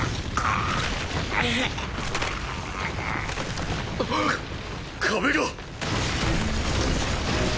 ああっ壁が。